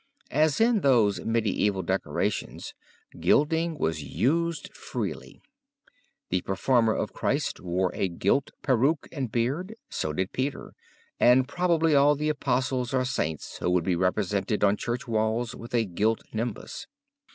As in those medieval decorations, gilding was used freely; the performer of Christ wore a gilt peruke and beard, so did Peter, and probably all the Apostles or saints who would be represented on church walls with a gilt nimbus."